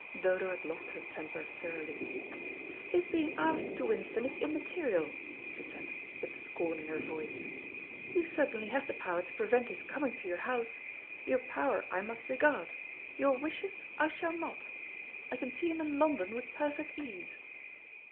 Dodo had lost her temper thoroughly. "His being asked to Winston is immaterial," she said, with scorn in her voice. "You certainly have the power to prevent his coming to your house. Your power I must regard, your wishes I shall not. I can see him in London with perfect ease."